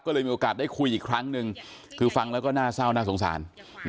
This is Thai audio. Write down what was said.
ก็เลยมีโอกาสได้คุยอีกครั้งหนึ่งคือฟังแล้วก็น่าเศร้าน่าสงสาร